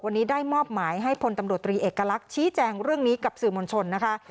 วันนี้ได้มอบหมายให้พลตำรวจตรีเอกลักษณ์ชี้แจงเรื่องนี้กับสื่อมวลชนนะคะ